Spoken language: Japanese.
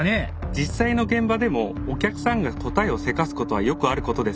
実際の現場でもお客さんが答えをせかすことはよくあることです。